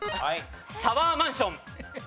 タワーマンション。